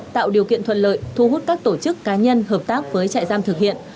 tạo điều kiện thuận lợi thu hút các tổ chức cá nhân hợp tác với trại giam thực hiện